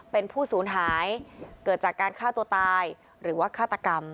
เป็นผู้สูญหายเกิดจากการฆ่าตัวตายหรือว่าฆาตกรรม